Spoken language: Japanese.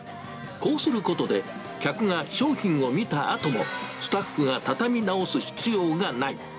こうすることで、客が商品を見たあとも、スタッフが畳み直す必要がない。